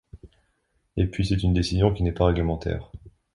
Et puis c'est une décision qui n'est pas réglementaire.